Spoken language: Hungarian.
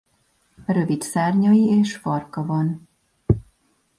Rövid szárnyai és farka van.